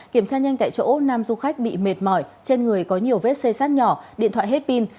kiểm tra nhanh tại chỗ nam du khách bị mệt mỏi trên người có nhiều vết xe sát nhỏ điện thoại hết pin